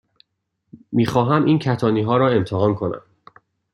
می خواهم این کتانی ها را امتحان کنم.